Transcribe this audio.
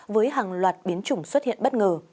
với hàng loạt biến chủng xuất hiện bất ngờ